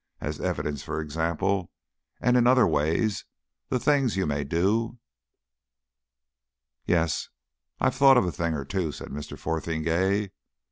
As evidence, for example! And in other ways, the things you may do...." "Yes, I've thought of a thing or two," said Mr. Fotheringay.